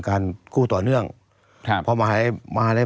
ตั้งแต่ปี๒๕๓๙๒๕๔๘